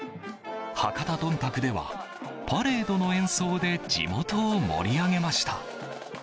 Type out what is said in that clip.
博多どんたくではパレードの演奏で地元を盛り上げました。